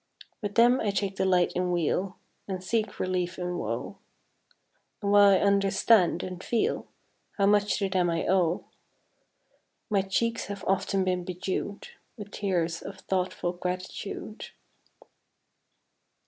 With them I take delight in weal And seek relief in woe; And while I understand and feel How much to them I owe, My cheeks have often been bedew'd With tears of thoughtful gratitude.